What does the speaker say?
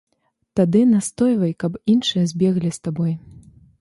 Тады настойвай, каб іншыя збеглі з табой.